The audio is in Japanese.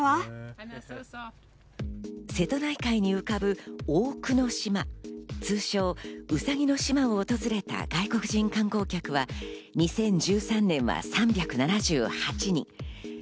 瀬戸内海に浮かぶ大久野島、通称うさぎの島を訪れた外国人観光客は、２０１３年は３７８人。